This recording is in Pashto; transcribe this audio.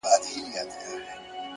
د حقیقت رڼا دوکه کمزورې کوي’